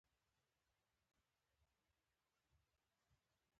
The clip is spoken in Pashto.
بېشکه د انګریز حکومت څخه د هندیانو کرکه.